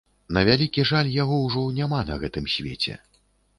На вялікі жаль, яго ўжо няма на гэтым свеце.